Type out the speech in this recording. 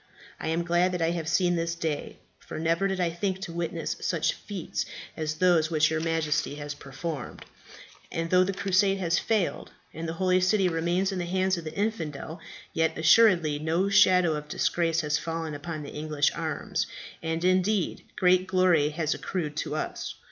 "I am glad that I have seen this day, for never did I think to witness such feats as those which your Majesty has performed; and though the crusade has failed, and the Holy City remains in the hands of the infidel, yet assuredly no shadow of disgrace has fallen upon the English arms, and, indeed, great glory has accrued to us.